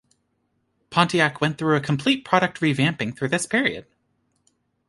Pontiac went through a complete product revamping through this period.